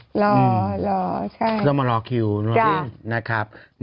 รอรอใช่แล้วมารอกคิวนะครับ